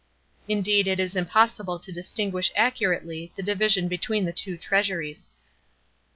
Indeed it is impossible to distinguish accurately the division between the two treasuries.